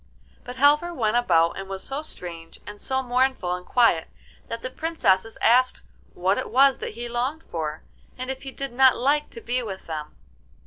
But Halvor went about and was so strange and so mournful and quiet that the Princesses asked what it was that he longed for, and if he did not like to be with them.